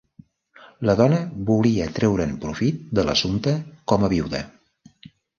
La dona volia treure'n profit de l'assumpte com a viuda.